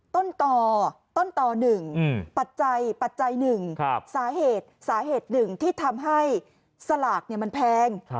ต้นต่อ๑ปัจจัย๑สาเหตุ๑ที่ทำให้สลากเนี่ยมันแพง